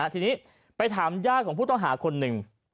ทีนี้ไปถามญาติของผู้ต้องหาคนหนึ่ง